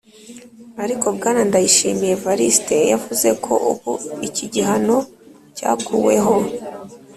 ariko Bwana Ndayishimiye Evariste yavuze ko ubu iki gihano cyakuweho.